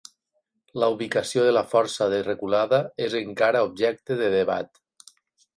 La ubicació de la força de reculada és encara objecte de debat.